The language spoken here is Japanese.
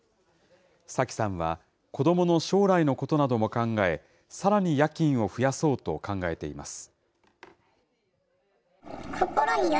サキさんは、子どもの将来のことなども考え、さらに夜勤を増やそうと考えています。